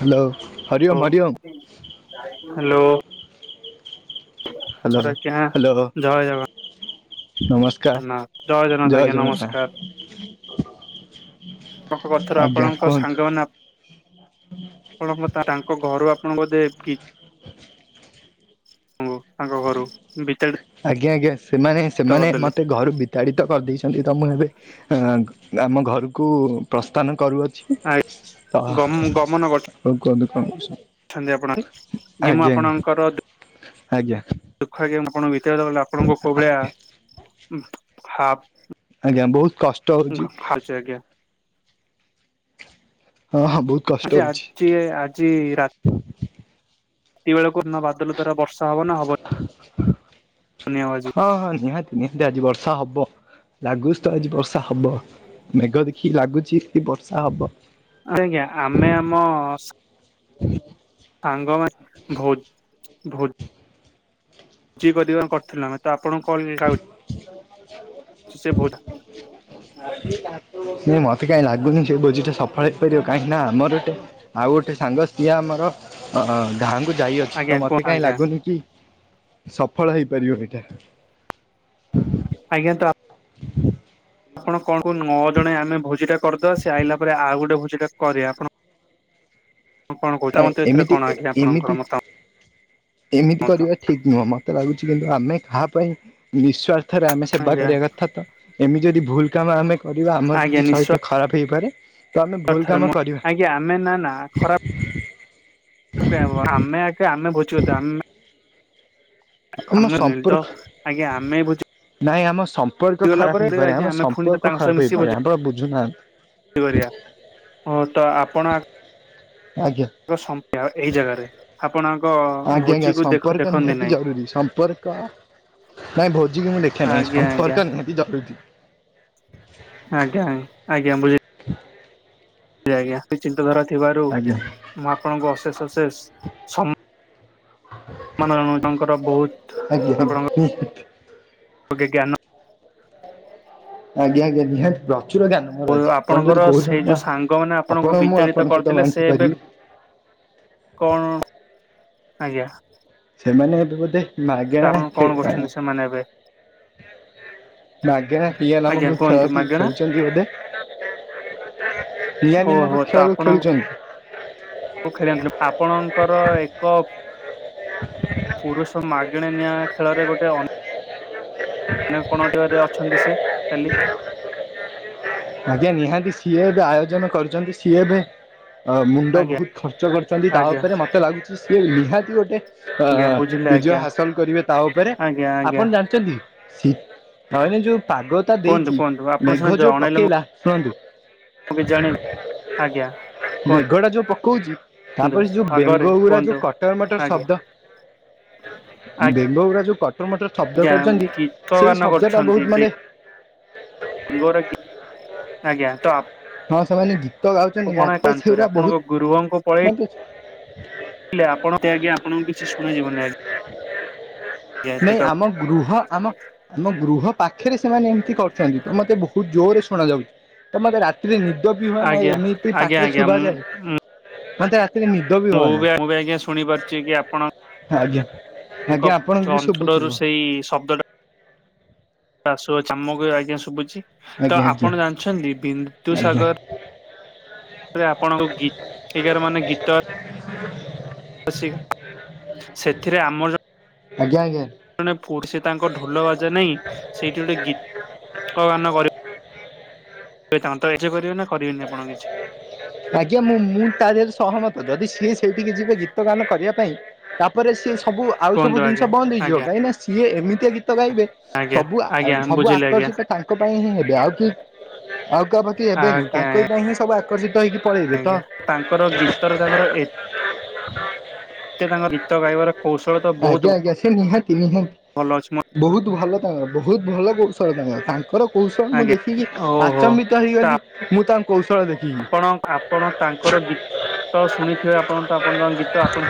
Hello. Hari Om, Hari Om. Hello hello. Sir ଆଜ୍ଞା hello. ଜୟ ନମସ୍କାର। ଜଗନ୍ନାଥ ଜୟ ଆଜ୍ଞା ଜଗନ୍ନାଥ। ନମସ୍କାର। ଆଙ୍କ କଥାରୁ, ଆଜ୍ଞା ଆପଣଙ୍କ! କୁହନ୍ତୁ ସାଙ୍ଗ ନା ଆପଙ୍କ ତାଙ୍କ ଘରୁ ଆପଣଙ୍କ ଦେ କି, ତାଙ୍କ ଘରୁ। ବି ଆଜ୍ଞା। ଆଜ୍ଞା। ସେମାନେ, ସେମାନେ ମତେ ଘରୁ ବିତାଡି ତ କରିଦେଇଛନ୍ତି। ତ ମୁଁ ଏବେ, ଏ ଆମ ଘରକୁ ପ୍ରସ୍ଥାନ କରୁଅଛି। ଆହ୍। ଗମ କୁହତୁ କୁହତୁ ଅଛନ୍ତି ଆପଣ। ଯେ ମୁଁ ଆପଣଙ୍କର ଆଜ୍ଞା ଆଜ୍ଞା ଦୁଃଖ ଆଜ୍ଞା ଆପଣଙ୍କୁ ବିତେଇଲେ। ଆପଣଙ୍କୁ କୁଭଳିଆ ହା ଆଜ୍ଞା। ବହୁତ କଷ୍ଟ ହଉଛି। ଖାଉଛି ଆଜ୍ଞା ହଁ ହଁ ବହୁତ କଷ୍ଟ ସେ ହେଉଛି ଆଜି। ଆଜି ରା ତିବେଳକୁନା ବାଦଲ ଦ୍ୟାରା ବର୍ଷା ହବ, ନା ହବନି। ହବ ଆଜି ହଁ। ହଁ। ନିହାତି। ନିହାତି। ଆଜି ବର୍ଷା ହବ। ଲାଗୁଛି ତ। ଆଜି ବର୍ଷା ହବ। ମେଘ ଦେଖିକି ଲାଗୁଛି, ବର୍ଷା ହବ। ଆ୍ଞା। ଆମେ, ଆମ ସାଙ୍ଗ ମା ଭୋ ଭୋ ଭୋଜି କରିି, କରିଥିଲ ଆମେ। ତା [unintelligible] ସେ ଭୋ ନଁ ମତେ କାଇହିଁ ଲାଗୁନି। ସେ ବୋଜିଟା ସଫଳ ହେଇପାରିବ। କାହିଁକି ନା, ଆମର ଗୋଟେ, ଆଉ ଗୋଟେ ସାଙ୍ଗ, ସିଏ ଆମ [unintelligible] ଯାଇଅଛି ଆଜ୍ଞା ତ କୁହ ମତେ କାହିଁ ଆଜ୍ଞା ଲାଗୁନି କି ସଫଳ ହେଇପାରିବ ଏଇଟା। ଆଜ୍ଞା ତ ଆପଣ କଣ କ ନଅ ଜଣେ ଆମେ ଭୋଜିଟା କରିଦେବା ସ ଆଇଲା ପରେ ଆଉ ଗୋଟେ ଭୋଜିଟା କରିବା ଆପଣ କଣ କହୁଛ ଆ ମତେ ଏଥିରେ ଏମିତି କଣ ଆଜ୍ଞା ଆପଣଙ୍କର ଏମିତି- ମତାମତ ଏମିତି କରିବା ଠିକ ନୁହଁ ମତେ ଲାଗୁଛି। କିନ୍ତୁ ଆମେ କାହା ପାଇଁ ନିଃସ୍ଵାର୍ଥରେ ଆମେ ସେବା ଆଜ୍ଞା କରିବା କଥା ତ। ଏମିତି ଯଦି ଭୁଲ କାମ ଆମେ କରିବା ଆମର କିଛି ସହିତ ଖରାପ ହେଇପାରେ। ତ ଆମେ ଭୁଲ କାମ ଥରେ ମୁଁ କରିବା ଆଜ୍ଞା ଆମେ ନା ନା ଖରାପ ଆମେ କେ ଆମେ ପୁଛୁ ତ ଆମେ ଆମ ତ ଆଜ୍ଞା ଆମେ ବୁଝ ନାଇଁ ଆମ ସମ୍ପର୍କ ଖରାପ ହେଇପାରେ ଆମ ପୁଣି ସମ୍ପର୍କ ତାଙ୍କ ସହ ଖରାପ ମିଶି ହେଇପାରେ ଭୋଜି ଆପଣ ବୁଝୁନାହାନ୍ତି? କରିବା ହ ତ ଆପଣ ଆଜ୍ଞା ଚ୍ଛ ଏଇ ଜାଗାରେ ଆପଣଙ୍କ ଆଜ୍ଞା ଆଜ୍ଞା ଭୋଜିକୁ ଦେଖ ସମ୍ପର୍କ ଦେଖନ୍ତି ନିହାତି ନାଇଁ। ଜରୁରୀ ସମ୍ପର୍କ ନାଇଁ ଭୋଜିକୁ ମୁଁ ଦେଖେ ନାହିଁ ଆଜ୍ଞା ଆଜ୍ଞା ସମ୍ପର୍କ ନିହାନ୍ତି ଜରୁରୀ। ଆଜ୍ଞା ଆଜ୍ଞା ବୁଝ ଆଜ୍ଞା ଚିନ୍ତାଧାରା ଥିବାରୁ ଆଜ୍ଞା ମୁଁ ଆପଣଙ୍କୁ ଅଶେଷ ଅଶେଷ- ନରଣଜଙ୍କର ବହୁତ ଆଜ୍ଞା ଆଜ୍ଞା ନିହାତି। ଆପଣଙ୍କ ଗ ଜ୍ଞାନ ଆଜ୍ଞା ଆଜ୍ଞା ନିହାତିତ। ପ୍ରଚୁର ଜ୍ଞାନ ମୋର ଅଛି ଆପଣ ଆପଣଙ୍କର ଯଦି ସେଇ କହୁଛନ୍ତି ଯୋଉ ବା ସାଙ୍ଗମାନେ ଆପଣଙ୍କୁ ଆପଣ ମୁଁ ବିଚଳିତ ଆପଣଙ୍କ ସହିତ କରିଦେଲେ ସେ ବାଣ୍ଟି ଏବେ ପାରିବି। [unintelligible] କଣ ଆଜ୍ଞା। ସେମାନେ ଏବେ ବୋଧେ ତ ମାଗେଣା ଆପଣ କଣ ଖେଣା କରୁଛନ୍ତି ସେମାନେ ଏବେ ମାଗେଣା ଟିଏ ଆଜ୍ଞା ନାମକ କୁହନ୍ତୁ ଖେଳ ମାଗେଣା ଖେଳୁଛନ୍ତି ବୋଧେ? ଓହୋ [unintelligible] ତ ଖେଳ ଖେଳୁଛନ୍ତି। ଆପଣଙ୍କୁ ଖେଳିଥିଲେ ଆପଣଙ୍କର ଏକ [unintelligible] ପୁରୁଷ ମାଗଣା ନିଆଁ ଖେଳରେ ଗୋଟେ ଅନ- ମାନେ କଣ ଟିକରେ ଅଛନ୍ତି ସେ କାଲି ଆଜ୍ଞା ନିହାତି ସିଏ ଏବେ ଆୟୋଜନ କରୁଛନ୍ତି ସିଏ ଏବେ ମୁଣ୍ଡ ଆଜ୍ଞା ବହୁତ ଖର୍ଚ୍ଚ କରିଛନ୍ତି ତା ଆଜ୍ଞା ଉପରେ ମୋତେ ଲାଗୁଛି ସ ନିହାତି ଗୋଟେ ଅ ଆଜ୍ଞା ବୁଝିଲେ ବିଜୟ ଆଜ୍ଞା ହାସଲ କରିବେ ତା ଉପରେ ଆଜ୍ଞା ଆଜ୍ଞା ଆପଣ ଜାଣିଛନ୍ତି? ନାଇନ ଯୋଉ ପାଗ ଟା କୁହନ୍ତୁ ଦେଇଛି କୁହନ୍ତୁ ମେଘ ଯୋଉ ପକେଇଲା ଶୁଣନ୍ତୁ ମୁଁ ବି ଜାଣିନି ଆଜ୍ଞା କୁହ ମେଘ ଟା ଯୋଉ ପକଉଛି ତାପରେ ସେ ଯୋଉ ବେଙ୍ଗ ଗୁରା ଯୋଉ କୁହନ୍ତୁ କଟର ମଟର ଆଜ୍ଞା ଶବ୍ଦ ବେଙ୍ଗ ଗୁରା ଯୋଉ କଟର ମୋଟର ଶବ୍ଦ ଆଜ୍ଞା କରୁଛନ୍ତି ଗୀତ ସେଇ ଗାନ ଶବ୍ଦ ଟା ବହୁତ ମାନେ ଙ୍ଗର ଆଜ୍ଞା ତ ହଁ [unintelligible] ମୁଁ କଣ ମତେ କାନ୍ତରେୀ ସେଗୁରା ବହୁତ ଆପଣଙ୍କ ଗୁରୁବଙ୍କୁ ମତେ ପଳେଇଲି। ଆପଣ ଆଜ୍ଞା ଆପଣଙ୍କୁ କିଛି ଶୁଣଯିବନି ଆଜ୍ଞା। ଏତେ ନାଇଁ ଆମ ଗୃହ ଆମ ଆମ ଗୃହ ପାଖରେ ସେମାନେ ଏମିତି କରୁଛନ୍ତି ତ ମତେ ବହୁତ ଜୋର ରେ ଶୁଣ ଯାଉଛି ତ ମତେ ରାତିରେ [unintelligible] ଆଜ୍ଞା ନ ଆଜ୍ଞା ପାଠରେ ଆଜ୍ଞା ସୁୁଭ ମୁଁ ଯାଇ ମୁଁ ମୁଁ ବି ଆଜ୍ଞା ଶୁଣିପାରୁଛି କି ଆପଣ ଆଜ୍ଞା ତାଙ୍କ ଆଜ୍ଞା ଆପଣଙ୍କୁ ବି ଶୁଭୁଥିବ ଅଞ୍ଚଳରୁ ସେଇ ଶବ୍ଦଟା ଆସ ଚାମକ ଆଜ୍ଞା ଶୁଭୁଛି ତ ଆଜ୍ଞା ଆଜ୍ଞା ଆପଣ ଜାଣିଛନ୍ତି ଆଜ୍ଞା। ବିନ୍ଦୁସାଗର ଆପଣଙ୍କୁ ଗୀ ଏଗାର ମାନେ ଗୀତ [unintelligible] [unintelligible] ସେଥିରେ ଆମ ଆଜ୍ଞା ଆଜ୍ଞା। ଜଣେ ଫୁଡ୍ ସେ ତାଙ୍କ ଢୋଲ ବାଜା ନାହିଁ ସେଇଠି ଗୋଟେ ଗୀତ ଗାନ କରିବ ତ ଏ ତାନ୍ତ ଏଖେ ପାରିବେ ନା କରିବେନି ଆପଣ କିଛି ଆଜ୍ଞା ମୋ ମୁଡ୍ ତା ଦିହରେ ସହମତ ଯଦି ସିଏ ସେଇଠିକି ଯିବେ ଗୀତ ଗାନ କରିବା ପାଇଁ ତାପରେ ସିଏ ସବୁ ଆଉ ସବୁ କୁହନ୍ତୁ ଜିନିଷ ଆଜ୍ଞା। ବନ୍ଦ ହେଇଯିବ। ଆଜ୍ଞା କାହିଁକି ନା ସିଏ ଏମିତିଆ ଗୀତ ଗାଇବେ ଆଜ୍ଞା ସବୁ ଆ ଆଜ୍ଞା ସବୁ ବୁଝିଲି ଆଜ୍ଞା ଆକର୍ଷିତ ତାଙ୍କ ପାଇଁ ହିଁ ହେବେ ଆଉ କି ଆଉ ପାଖାପାଖି ହେବେନି ଆଜ୍ଞା ତାଙ୍କ ପାଇଁ ହିଁ ସବୁ ଆକର୍ଶିତ ହେଇକି ପଳେଇବେ ତ ଆଜ୍ଞା ତାଙ୍କର ଗୀତରେ ତାଙ୍କର ଏତେ ତାଙ୍କର ଗୀତ ଗାଇବାର କୌଶଳ ତ ବହୁତ ଆଜ୍ଞା ଆଜ୍ଞା ସେ ନିହାତି ନିହାତି ଭଲ ଅଛି ମ ବହୁତ ଭଲ ତାଙ୍କ ବହୁତ ଭଲ କହୁଛି କ ତାଙ୍କ ତାଙ୍କର କୌଶଳ ମୁଁ ଆଜ୍ଞା ଦେଖିକି ଓହୋ ଆଚମ୍ବିତ ତ ହେଇଗଲି ମୁଁ ତାଙ୍କ କୌଶଳ ଦେଖି ଆପଣ ଆପଣ ତାଙ୍କର ଗୀତ ଶୁଣିଥିବେ ଆପଣ ତ ଆପଣଙ୍କ ଗୀତ ଆପଣ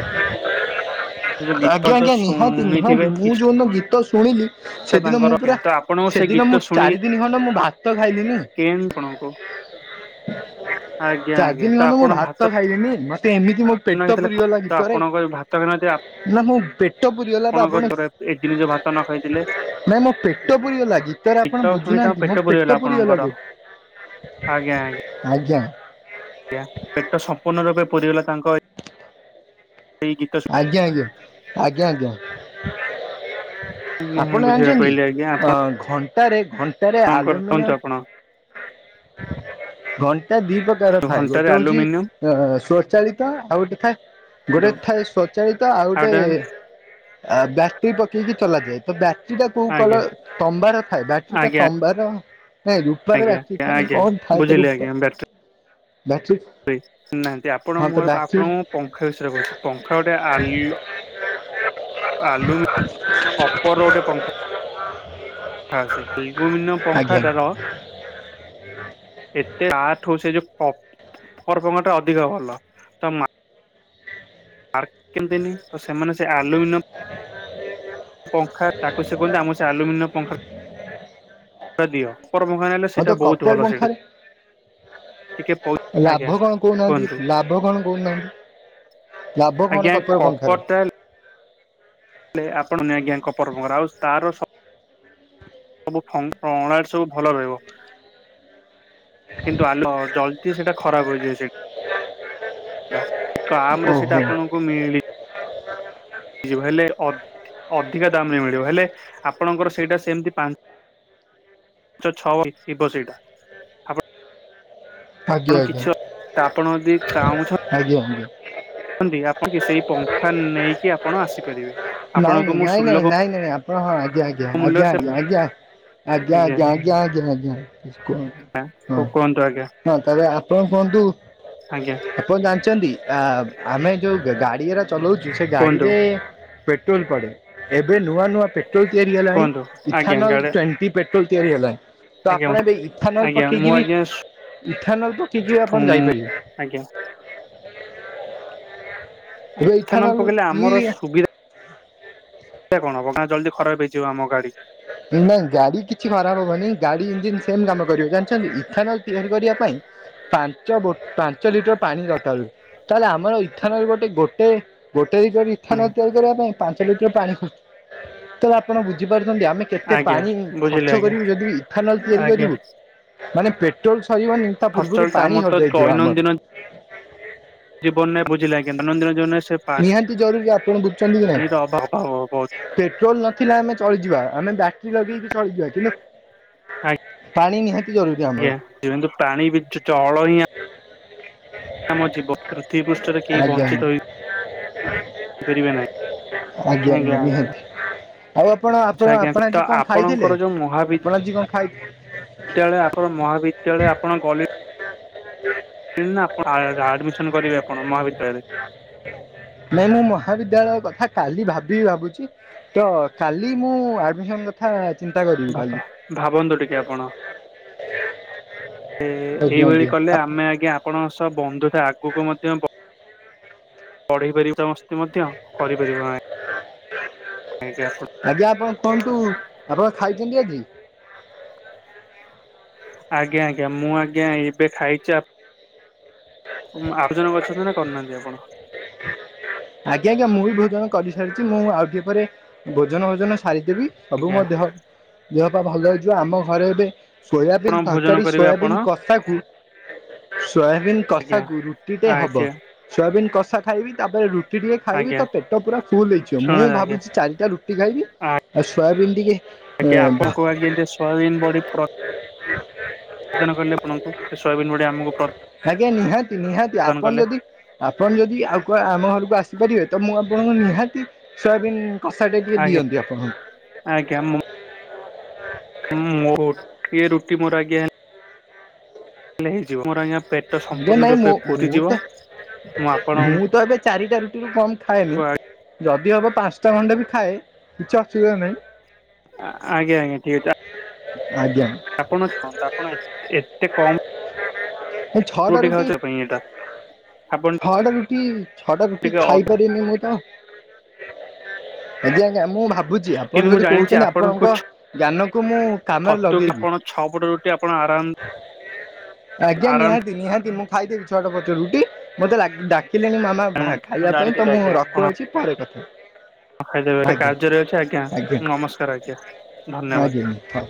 ଯୋଉ ଗୀତ ଆଜ୍ଞା ତ ଆଜ୍ଞା ନିହାତି ନିହାତି ଶୁଣିଥିବେ ମୁଁ କିସ୍ ଯୋଉଦିନ ଗୀତ ଶୁଣିଲି ସେଦିନ ମୁଁ ତାଙ୍କର ପୁରା ତ ଆପଣଙ୍କୁ ସେ ସେଦିନ ଗୀତ ମୁଁ ଶୁଣିକି ଚାରି ଦିନ ଖଣ୍ଡେ ମୁଁ ଭାତ ଖାଇଲିନି। କେନ୍ ଆପଣଙ୍କୁ ଆଜ୍ଞା ଚାରି ଆଜ୍ଞା ଦିନ ତ ଖଣ୍ଡେ ମୁଁ ଆପଣ ଭାତ ଖାଇଲିିନି। ମତେ ତ ଏମିତି ମୋର ପେଟ ହେଇଥିଲା ପୁରି ଗଲା ତ ଗୀତରେ ଆପଣଙ୍କ ଭାତ ଖାଇନଥିବେ ନା ମୁଁ ଆପଣଙ୍କ [unintelligible] ଏ ଜିନି ଯୋ ଭାତ ନ ଖାଇଥିଲେ ନାଇଁ ମୋ ପେଟ ପୁରି ଗଲା ଗୀତ ରେ ଆପଣ ବୁଝୁନାହାନ୍ତି ମୋ ପେଟ ପୁରିଗଲା ଯେ ଆଜ୍ଞା ଆଜ୍ଞା। ଜ ପେଟ ସମ୍ପୂର୍ଣ୍ଣ ରୂପେ ପୂରିଗଲା ତାଙ୍କ ଏଇ ଗୀତ ଆଜ୍ଞା ଆଜ୍ଞା ଆଜ୍ଞା ଆଜ୍ଞା। ଆପଣ ଶୁଣି ବୁଝିବାକୁ ଜାଣିଛନ୍ତି ପାଇଲି ଆଜ୍ଞା ଅ ଆପଣ ଘଣ୍ଟାରେ ଘଟ ରେ ଆପଣଙ୍କର କୁହନ୍ତୁ ଆଲୁମିନିୟମ୍ ଆପଣ ଘଟ ଟା ଦି ପ୍ରକାର ଥାଏ। ଘଣ୍ଟାରେ ଗୋଟେ ହଉଛି ଆଲୁମିନିୟମ ଅ ସ୍ଵଚାଳିତ ଆଉ ଗୋଟେ ଥାଏ ଗୋଟେ କୁହନ୍ତୁ ଥାଏ ସ୍ୱଚାଳିତ ଆଉ ଗୋଟେ ବ୍ୟାଟ୍ରି ପକେଇକି ଚଲାଯାଏ। ତ ବ୍ୟା ଟ୍ରି ଟା କୋଉ ଆଜ୍ଞା କଲର ତମ୍ବାର ଥାଏ ବ୍ୟାଟ୍ରୀଟା ଆଜ୍ଞା ତମ୍ବାର ନାଇଁ ରୂପାର ବା ଆଖି ଆଜ୍ଞା ଥାଏ। ଆଜ୍ଞା କଣ ଥାଏ ତା ରୂପ। ନାହା ଆପଣ ତ ମୁ ବ୍ୟାଟେରୀ ଆପଣଙ୍କୁ ପଙ୍ଖା ବିଷୟରେ କହୁଛି ପଙ୍ଖା ଗୋଟେ ଆଲି ଆଲୁମୀ ଅପର ର ଗୋଟେ ପଙ୍ଖା ହଁ ସେ ଇଗୋମିନ ଆଜ୍ଞା ପଙ୍ଖାଟାର ଏତେ ଆଠୁ ସେ ଯୋଉ କପର୍ ପଙ୍ଖା ଟା ଅଧିକ ଭଲ ତ ମା ପାର୍କ କେମତିନି ତ ସେମାନେ ସେ ଆଲୁମିନିୟମ ହ ପଙ୍ଖା ତାକୁ ସେ କୁହନ୍ତି ଆମର ସେ ଆଲୁମିନିୟମ ପଙ୍ଖାଟା ଦିଅ କର୍ମଖାନ ହେଲେ ହଁ ତ ସେଇଟା ବହୁତ କପର ଭଲ ସେଇଟା ପଙ୍ଖାରେ ଟିକେ ପ ଆଜ୍ଞା ଲାଭ କଣ କହୁନାହାନ୍ତି କୁହନ୍ତୁ ଲାଭ କଣ କହୁନାହାନ୍ତି? ଲାଭ କଣ ଆଜ୍ଞା କପର କଣ ଠାରୁ? ହେଲେ ଆପଣ ନିଆ ଆଜ୍ଞା କପର ଫପର ଆଉ ତାର ସବୁ ଫ୍ ପ୍ରଣାଳୀ ସବୁ ଭଲ ରହିବ। କିନ୍ତୁ ଆଲୋ ଜଲ୍ଦୀ ସେଟା ଖରାପ ହୋଇଯିବ ସେଠୀ। ତ ଆମ ର ଓହୋ ସେଇଟା ଆପଣଙ୍କୁ ମିଳି ଳିବ ହେଲେ ଅଧ୍ ଅଧିକା ଦାମ ରେ ମିଳିବ ହେଲେ ଆପଣଙ୍କର ସେଇଟା ସେମିତି ପାଞ୍ଚ ଞ୍ଚ ଛଅ ଶିବ ସେଇଟା ଆପଣ ଆଜ୍ଞା ଆପଣ ଆଜ୍ଞା ଆଜ୍ଞା କିଛି ଅ ତ ଆପଣ ଯଦି ଚାହୁଁଛନ୍ତି ଆଜ୍ଞା କ ଆପଣ କି ସେଇ ପଙ୍ଖା ନେଇକି ଆପଣ ଆସିପାରିବେ। ନାଇଁ ଆପଣଙ୍କୁ ମୁଁ ନାଇଁ ନାଇଁ ନାଇଁ ସୁଲଭ ନାଇଁ ନାଇଁ ଆପଣ ହଁ ଆଜ୍ଞା ଆଜ୍ଞା ମୂଲ୍ୟ ଆଜ୍ଞା ସେ ଆଜ୍ଞା ମୁଁ ଆଜ୍ଞା। ଆଜ୍ଞା ଆଜ୍ଞ ଆଜ୍ଞା ଆଜ୍ଞା ଆଜ୍ଞା ହଁ କୁହନ୍ତୁ ଆଜ୍ଞା ହଁ ତ ଆପଣ କୁହନ୍ତୁ ଆଜ୍ଞା ଆପଣ ଜାଣିଛନ୍ତି ଆମେ ଯୋଉ ଗାଡିର ଚଲଉଛୁ ସେ କୁହନ୍ତୁ ଗାଡିରେ ପେଟ୍ରୋଲ ପଡେ ଏବେ ନୂଆ ନୂଆ ପେଟ୍ରୋଲ ତିଆରି ହେଲାଣି କୁହନ୍ତୁ ଆଜ୍ଞା ଇଥାନଲ ଗାଡେ ଟ୍ୱେଣ୍ଟି ପେଟ୍ରୋଲ ତିଆରି ହେଲାଣି। ତ ଆଜ୍ଞା ଆପଣ ଏବେ ଇଥାନଲ ଆଜ୍ଞା ମୁଁ ପକେଇକିନି ଆଜ୍ଞା ଇଥାନଲ ପକେଇକି ଆପଣ ଶୁଁ ଯାଇପାରିବେ? ଆଜ୍ଞା ଏବେ ଇଥାନଲ ପକେଇଲେ ଇଏ ଆମର ସୁବିଧା ସେଟା କଣ ହବ ନା ଜଲଦି ଖରାପ ହେଇଯିବ ଆମ ଗାଡି। ନାଇଁ ଗାଡି କିଛି ଖରାପ ହବନି ଗାଡି ଇଞ୍ଜିିନ ସେମ କାମ କରିବ ଜାଣିଛନ୍ତି ଇଥାନଲ ତିଆରି କରିବା ପାଇଁ ପାଞ୍ଚ ବୋ ପାଞ୍ଚ ଲିଟର ପାଣି ଦରକାର ହୁଏ ତାହେଲେ ଆମର ଇଥାନଲ ରେ ଗୋଟେ ଗୋଟେ ଗୋ ଏ ଯୋଉ ଇଥାନଲ ତିଆରି କରିବା ପାଇଁ ପାଞ୍ଚ ଲିଟର ପାଣି ଖର୍ଚ୍ଚ ତାହାଲେ ଆପଣ ବୁଝିପାରୁ ଛନ୍ତି ଆମେ କେତେ ଆଜ୍ଞା ପାଣି ବୁଝିଲେ ଖର୍ଚ୍ଚ ଆଜ୍ଞା କରିବୁ ଯଦି ଇଥାନଲ ତିଆରି ଆଜ୍ଞା କରିବୁ ମାନେ ପେଟ୍ରୋଲ ସରିବନି ତା ପୂର୍ବରୁ ଖର୍ଚ୍ଚ ତ ପାଣି ଆମର ତ ସରିଯାଇଥିବ ଆମର। ଜୀବନେ ବୁଝିଲେ ଆଜ୍ଞା [unintelligible] ନିହାତି ଜରୁରୀ ଆପଣ ବୁଝୁଛନ୍ତି କି ପାଣିର ଅଭାବ ବହୁତ ନାଇଁ ପେଟ୍ରୋଲ ନଥିଲା ଆମେ ଚଳି ଯିବା ଆମେ ବ୍ୟାଟ୍ରି ଲଗେଇକି ଚଳିଯିବା କିନ୍ତୁ ପାଣି ନିହାତି ଜରୁରୀ ଆମର ଆଜ୍ଞା କିନ୍ତୁ ତ ପାଣି ବିଦ୍ୟୁତ ଚଳନିଆ ଆମ ଜୀବ ପୃଥିବୀ ପୃଷ୍ଠରେ କେହି ଆଜ୍ଞା ଆଜ୍ଞା ବଞ୍ଚିତ ହେଇ ରହିପାରିବେ ନାହିଁ ଆଜ୍ଞା ଆଜ୍ଞା। ଆଉ ଆପଣ ଆଛା ଆପଣ ଆଜ୍ଞା ଆପଣ ଆଜି ତ କଣ ଖାଇଥିଲେ? ଆପଣଙ୍କର ଯୋଉ ମହାବି ଆପଣ ଆଜି କଣ ଖାଇ ଦ୍ୟାଳୟ ଆପଣ ମହା ବିଦ୍ୟାଳୟ ଆପଣ ଗଲେ ନା ଆପଣ ଆଡମିସନ କରିବେ ଆପଣ ମହାବିଦ୍ୟାଳୟରେ? ନାଇଁ ମୁଁ ମହାବିଦ୍ୟାଳୟ କଥା କାଲି ଭାବି ଭାବୁଛି ତ କାଲି ମୁଁ ଆଡମିସନ କଥା ଚିନ୍ତା କରିବି କାଲି। ବାପା ଭାବନ୍ତୁ ଟିକେ ଆପଣ? ଏ ଆଜ୍ଞା ଏଇଭଳି ଆଜ୍ଞା କଲେ ଆମେ ଆଜ୍ଞା ଆପଣଙ୍କ ସହ ବନ୍ଧୁ ଆଗକୁ ମଧ୍ୟ ବ ବଢେଇ ପାରିବୁ ସମସ୍ତ ମଧ୍ୟ କରିପାରିବ ନାହିଁ। ଆଜ୍ଞା ଆପଣ କୁହନ୍ତୁ ଆପଣ ଖାଇ ଛନ୍ତି ଆଜି? ଆଜ୍ଞା ଆଜ୍ଞା ମୁଁ ଆଜ୍ଞା ଏବେ ଖାଇଛି ଆ ଉଁ ଆଡମିଶନ୍ କରିଛନ୍ତି ନା କରିନାହାନ୍ତି ଆପଣ? ଆଜ୍ଞା ଆଜ୍ଞା ମୁଁ ବି ଭୋଜନ କରିସାରିଛି ମୁଁ ଆଉ ଟିକେ ପରେ ଭୋଜନ ଫୋଜନ ସାରିଦେବି ସବୁ ଆଜ୍ଞା ମୋ ଦେହ ଦେହପା ଭଲ ହେଇଯିବ ଆମ ଘରେ ଏବେ ଆପଣ ସୋୟାବିନ୍ ଭୋଜନ ତରକାରୀ କରିବେ ଆପଣ ସୋୟାବିନ୍ କଷାକୁୁ ସୋୟାବିନ୍ କଷା ଆଜ୍ଞା କୁ ରୁଟି ଟେ ହବ ଆଜ୍ଞା ସୋୟାବିନ୍ କଷା ଖାଇବି ତାପରେ ରୁ ରୁଟି ଟିକେ ଖାଇବି ଆଜ୍ଞା ତ ପେଟ ପୁରା ଫୁଲ ହେଇଯିବ ଶୁଣ ମୁଁ ଆଜ୍ଞା ଭାବୁଛି ଚାରିଟା ରୁଟି ଖାଇବି ଆଉ ସୋୟାବିନ୍ ଟିକେ ଆଜ୍ଞା ଆପଣଙ୍କ ଆଜି ଯେମିତି ସୋୟାବିନ ବଡ଼ି ପ୍ର ସେ ସୋୟାବିନ ବଡ଼ି ଆମକୁ ପ୍ର ଆଜ୍ଞା ନିହାତି ନିହାତି ଆପଣ ଯଦି ଆପଣ ଯଦି ଆଗୁଆ ଆମ ଘରକୁ ଆସିପାରିବେ ତ ମୁଁ ଆପଣଙ୍କୁ ନିହାତି ସୋୟାବିନ୍ କଷା ଟିକେ ଆଜ୍ଞା ଦିଅନ୍ତି ଆପଣଙ୍କୁ। ହୁଁ ମୋର ଓଟିଏ ରୁଟି ମୋର ଆଜ୍ଞା ହେଲେ ହେଇ ଯିବ ମୋର ଆଜ୍ଞା ପେଟ ଯେ ସମ୍ପୂର୍ଣ୍ଣ ନାଇଁ ମୁଁ ରୂପେ ମୁଁ ତ ପୁରିଯିବ। ମୁଁ ତ ଏବେ ଚାରିଟା ରୁଟିରୁ କମ ଖାଏନି। ଆ ଯଦି ହବ ପାଞ୍ଚଟା ଖଣ୍ଡେ ବି ଖାଏ କିଛି ଅସୁବିଧା ନାହିଁ। ଆଜ୍ଞା ଆଜ୍ଞା ଠିକ ଅଛି ଆ ଆଜ୍ଞା। ଆପଣ ତ ଆପଣ ଏତେ ଏତେ କମ୍ ଏ ଛଅଟା ରୁଟି ଆପଣ ଛଅଟା ରୁଟି ଛଅଟା ରୁଟି ଟିକେ ଅଧା ଖାଇପାରେନି ମୁଁ ତ। ଆଜ୍ଞା। ଆଜ୍ଞା, ମୁଁ ଭାବୁଛି ଆପଣ କିନ୍ତୁ ମୁଁ ଯଦି ଜାଣିଛି କହୁଛନ୍ତି ଆପଣଙ୍କ ଆପଣଙ୍କୁ ଜ୍ଞାନକୁ ମୁଁ କାମରେ ଲଗେଇବି। ଗୋଟେ ଆପଣ ଆରାମ ଆଜ୍ଞା ଆରାମ ନିହାତି ନିହାତି ମୁଁ ଖାଇଦେବି ଛଅଟା ପଟ ରୁଟି, ମତେ ଲାଗି ଡାକି କିଲେଣି ମାମା ବା ମୁଁ ଖାଇବା ପାଇଁ, ତ ଜାଣିଥିଲି ମୁଁ ଆଜ୍ଞା ଆପଣ ରଖୁଅଛି ପରେ କଥାହେବି। ଖାଇଦେବେ ଗୋଟେ କାର୍ଯ୍ୟରେ ଅଛି, ଆଜ୍ଞା ନମସ୍କାର ଆଜ୍ଞା। ଧନ୍ୟବାଦ। ଆଜ୍ଞା ହଉ।